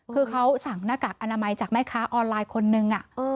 คือเขาสั่งหน้ากากอนามัยจากแม่ค้าออนไลน์คนนึง